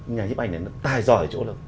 nhà nhiếp ảnh này nó tài giỏi ở chỗ lập